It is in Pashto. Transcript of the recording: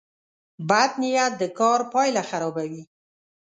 بد نیت د کار پایله خرابوي.